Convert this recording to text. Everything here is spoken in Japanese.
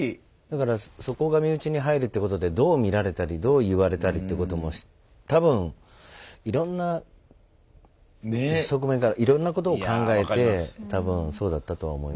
だからそこが身内に入るってことでどう見られたりどう言われたりってことも多分いろんな側面からいろんなことを考えて多分そうだったとは思いますけど。